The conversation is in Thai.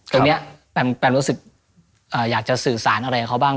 ตรงนี้แปมรู้สึกอยากจะสื่อสารอะไรกับเขาบ้าง